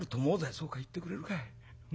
「そうかい行ってくれるかい。